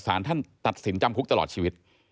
สารท่านตัดสินจำคุกตลอดชีวิต